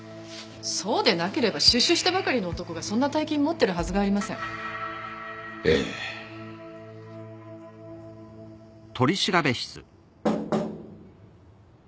そうでなければ出所したばかりの男がそんな大金持ってるはずがありませんええ・・覚えてますか？